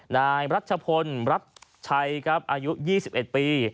นายรัฐชพลรัฐชัยอายุ๒๑ปี